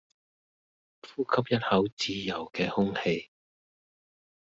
呼吸一口自由既空氣